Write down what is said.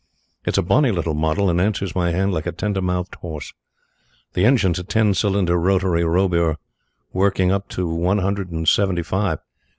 It's a bonny little model and answers my hand like a tender mouthed horse. The engine is a ten cylinder rotary Robur working up to one hundred and seventy five.